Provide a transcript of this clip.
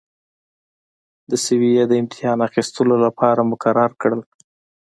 د سویې د امتحان اخیستلو لپاره مقرر کړل.